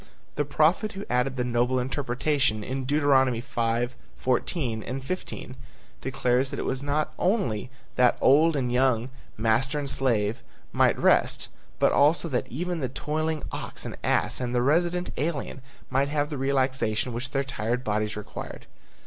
The prophet who added the noble interpretation in Deuteronomy 5:14, 15, declares that it was not only that old and young, master and slave, might rest, but also that even the toiling ox and ass and the resident alien might have the relaxation which their tired bodies required.